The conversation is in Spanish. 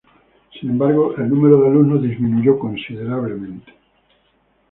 Sin embargo el número de alumnos disminuyó considerablemente.